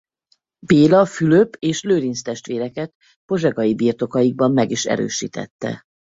Béla Fülöp és Lőrinc testvéreket pozsegai birtokaikban meg is erősítette.